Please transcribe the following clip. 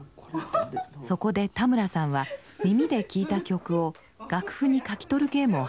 そこで田村さんは耳で聴いた曲を楽譜に書き取るゲームを始めました。